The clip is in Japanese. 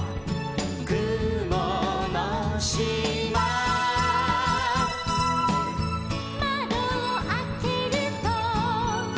「くものしま」「まどをあけると」